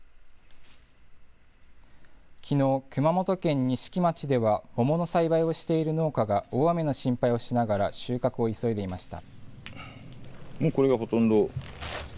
きのう熊本県錦町では、桃の栽培をしている農家が大雨の心配をしながら、収穫を急いでいました。